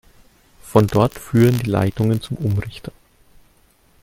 Von dort führen die Leitungen zum Umrichter.